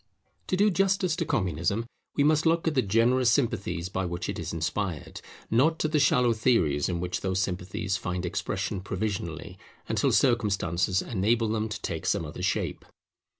To do justice to Communism, we must look at the generous sympathies by which it is inspired, not at the shallow theories in which those sympathies find expression provisionally, until circumstances enable them to take some other shape.